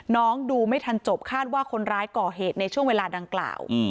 ดูไม่ทันจบคาดว่าคนร้ายก่อเหตุในช่วงเวลาดังกล่าว